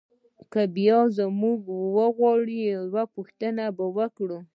بیا که موږ وغواړو یوه پوښتنه وکړو.